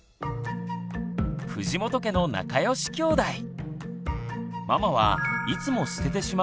藤本家の仲良しきょうだい。